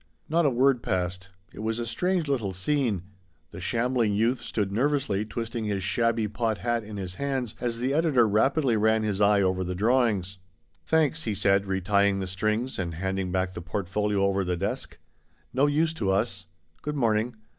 Not a word passed. It was a strange little IN GRUB STREET. 137 scene. The shambling youth stood nervously twisting his shabby pot hat in his fingers as the editor rapidly ran his eye over the drawings. " Thanks," he said, retying the strings and h anding back the portfolio over the desk. " No use to us. Good morning.